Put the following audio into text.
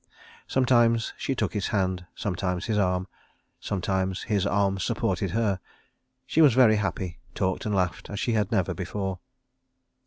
Sometimes she took his hand, sometimes his arm; sometimes his arm supported her. She was very happy, talked and laughed as she had never before.